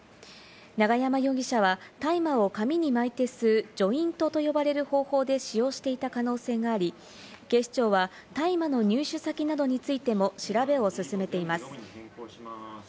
永山容疑者は大麻を紙に巻いて吸う、ジョイントと呼ばれる方法で使用していた可能性があり、警視庁は大麻の入手先などについても調べを進めています。